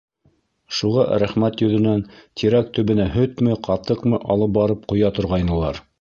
Шуға рәхмәт йөҙөнән тирәк төбөнә һөтмө, ҡатыҡмы алып барып ҡоя торғайнылар.